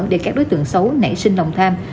để các đối tượng xấu nảy sinh lòng tham